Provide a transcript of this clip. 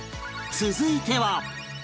続いては